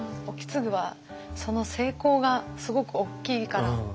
意次はその成功がすごく大きいから。